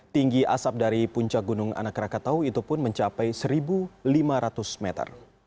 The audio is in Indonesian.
tinggi asap dari puncak gunung anak rakatau itu pun mencapai satu lima ratus meter